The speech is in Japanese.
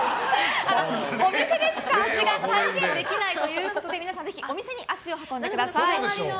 お店でしか味が再現できないということで皆さん、ぜひお店に足を運んでください。